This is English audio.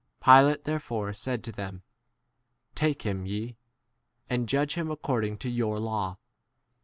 31 Pilate therefore said to them, Take him, ye *, and judge him according to your law.